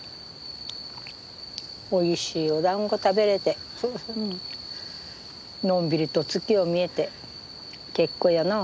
おいしいおだんご食べれてのんびりと月を見れて結構やなあ。